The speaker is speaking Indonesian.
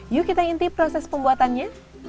yuk kita inti proses pembuatannya